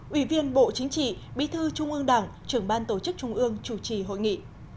ủy viên bộ chính trị bí thư trung ương đảng trưởng ban tổ chức trung ương chủ trì hội nghị